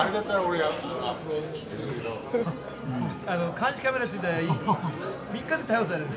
監視カメラついてたら３日で逮捕されるで。